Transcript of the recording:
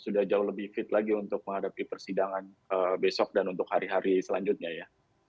sudah jauh lebih fit lagi untuk menghadapi persidangan besok dan untuk hari hari selanjutnya ya